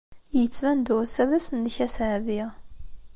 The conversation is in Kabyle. Yettban-d wass-a d ass-nnek aseɛdi.